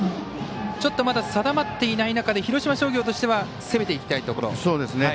ちょっとまだ定まっていない中で広島商業としては攻めていきたいところ。